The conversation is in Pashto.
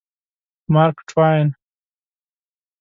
مارک ټواین